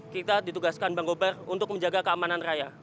kita ditugaskan bang gobar untuk menjaga keamanan raya